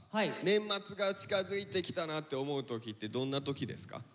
年末が近づいてきたなって思う時ってどんな時ですか？